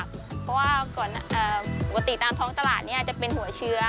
เพราะว่าปกติตามท้องตลาดจะเป็นหัวเชื้อ